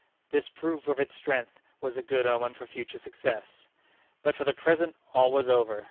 _ This proof of its strength was a good omen for future success. But for the present all was over.